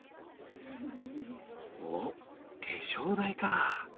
おお化粧台か。